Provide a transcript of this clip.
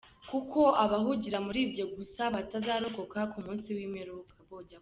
Kuko abahugira muli ibyo gusa batazarokoka ku munsi w’imperuka.